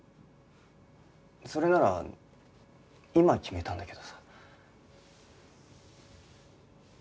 それなら今決めたんだけどさ。